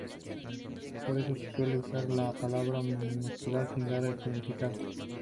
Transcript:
Por eso se suele usar la palabra en minúsculas, sin dar el significado.